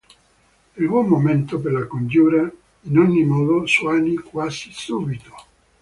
Il buon momento per la congiura, in ogni modo, svanì quasi subito.